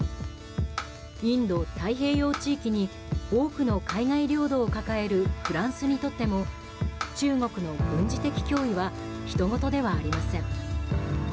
インド太平洋地域に多くの海外領土を抱えるフランスにとっても中国の軍事的脅威はひとごとではありません。